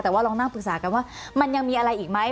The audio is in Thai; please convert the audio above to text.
แต่ว่าลองนั่งปรึกษากันว่ามันยังมีอะไรอีกไหม